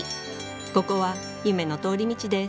ここは夢の通り道です